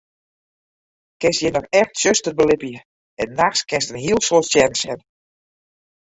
Kinst hjir noch echt tsjuster belibje en nachts kinst in hiel soad stjerren sjen.